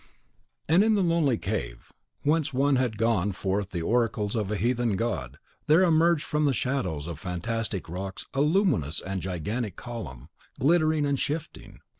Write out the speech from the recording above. And in the lonely cave, whence once had gone forth the oracles of a heathen god, there emerged from the shadows of fantastic rocks a luminous and gigantic column, glittering and shifting.